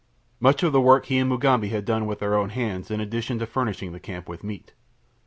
Much of the work he and Mugambi had done with their own hands in addition to furnishing the camp with meat.